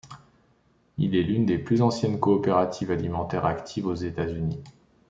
Il est l'une des plus anciennes coopératives alimentaires actives aux États-Unis.